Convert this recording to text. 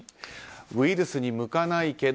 ウイルスに向かないけど